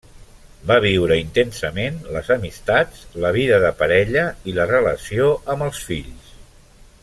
Va viure intensament les amistats, la vida de parella, i la relació amb els fills.